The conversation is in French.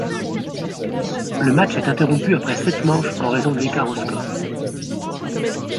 Le match est interrompu après sept manches en raison de l'écart au score.